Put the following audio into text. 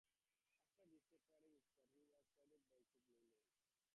After a disappointing start, he was traded back to the Blue Jays.